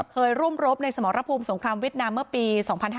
เคยร่วมรบในสมรพภูมิสงครามวิทยาลัยเมื่อปี๒๕๑๒